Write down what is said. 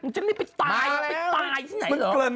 มึงจะได้ไปตายไปตายที่ไหนหรือ